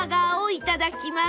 いただきます！